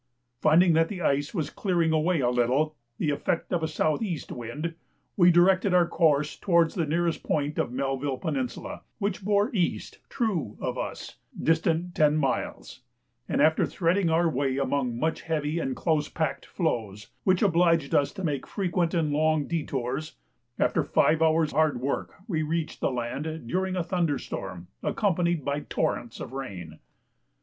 Finding that the ice was clearing away a little the effect of a south east wind, we directed our course towards the nearest point of Melville Peninsula, which bore east (true) of us, distant ten miles, and after threading our way among much heavy and close packed floes, which obliged us to make frequent and long detours, after five hours' hard work we reached the land during a thunder storm accompanied by torrents of rain.